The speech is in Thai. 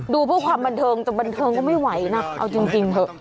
ดูเพื่อความบันเทิงแต่บันเทิงก็ไม่ไหวนะเอาจริงเถอะ